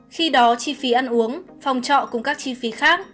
khi đó chi phí ăn uống phòng trọ cùng các chi phí khác